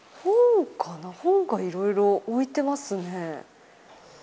本がいろいろ置いていますね。